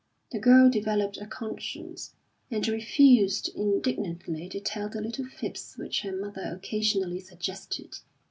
The girl developed a conscience, and refused indignantly to tell the little fibs which her mother occasionally suggested.